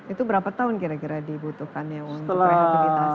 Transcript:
itu berapa tahun kira kira dibutuhkannya untuk rehabilitasi